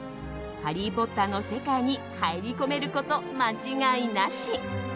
「ハリー・ポッター」の世界に入り込めること間違いなし。